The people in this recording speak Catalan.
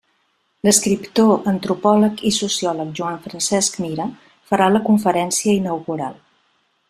L'escriptor, antropòleg i sociòleg Joan Francesc Mira farà la conferència inaugural.